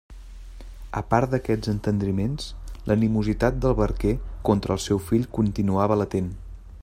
A part d'aquests entendriments, l'animositat del barquer contra el seu fill continuava latent.